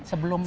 sebelum ini ya